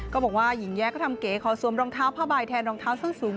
ก็บอกว่าหญิงแย้ก็ทำเก๋ขอสวมรองเท้าผ้าใบแทนรองเท้าส้นสูง